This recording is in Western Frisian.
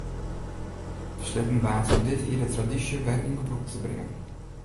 Besletten waard om dit jier de tradysje wer yn gebrûk te bringen.